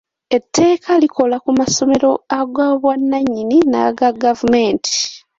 Etteeka likola ku masomero ag'obwannanyini n'aga gavumenti.